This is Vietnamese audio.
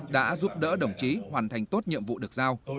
đã giúp đỡ đồng chí hoàn thành tốt nhiệm vụ được giao